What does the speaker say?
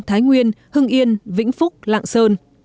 thái nguyên hưng yên vĩnh phúc lạng sơn